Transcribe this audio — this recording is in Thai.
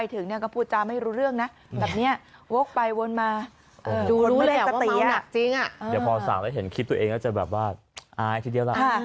อยู่เองก็จะแบบว่าอายทีเดียวแหละ